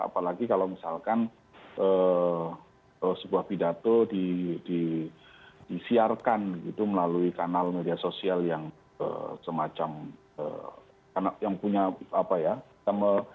apalagi kalau misalkan sebuah pidato disiarkan gitu melalui kanal media sosial yang semacam yang punya apa ya